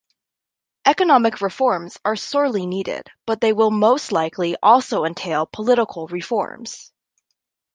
Economic reforms are sorely needed, but they will most likely also entail political reforms.